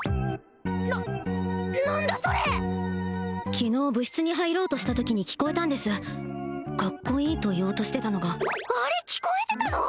な何だそれ昨日部室に入ろうとしたときに聞こえたんですかっこいいと言おうとしてたのがあれ聞こえてたの！？